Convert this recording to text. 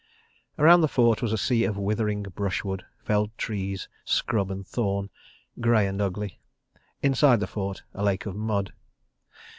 Around the fort was a sea of withering brushwood, felled trees, scrub and thorn, grey and ugly: inside the fort, a lake of mud.